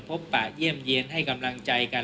ปะเยี่ยมเยี่ยนให้กำลังใจกัน